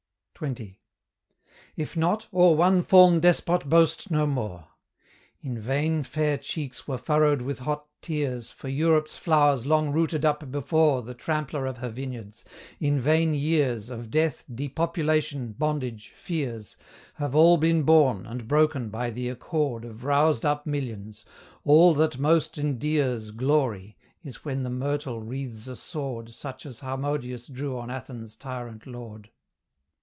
XX. If not, o'er one fall'n despot boast no more! In vain fair cheeks were furrowed with hot tears For Europe's flowers long rooted up before The trampler of her vineyards; in vain years Of death, depopulation, bondage, fears, Have all been borne, and broken by the accord Of roused up millions: all that most endears Glory, is when the myrtle wreathes a sword Such as Harmodius drew on Athens' tyrant lord.